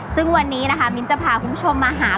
ซึ่งวันนี้นะคะมิ้นจะพาคุณผู้ชมมาหา